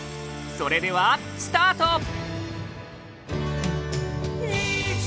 それではスタート！